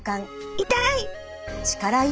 痛い！